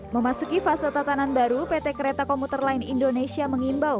memasuki fase tatanan baru pt kereta komuter line indonesia mengimbau